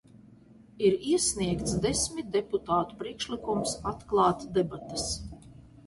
Ir iesniegts desmit deputātu priekšlikums atklāt debates.